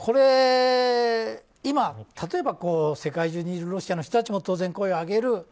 今、例えば世界中にいるロシアの人たちも当然、声を上げる。